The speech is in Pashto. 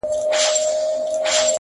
اوس جهاني لکه یتیم په ژړا پوخ یمه نور!.